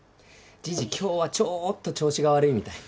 じいじ今日はちょっと調子が悪いみたい。